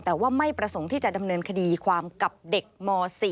แต่ว่าไม่ประสงค์ที่จะดำเนินคดีความกับเด็กม๔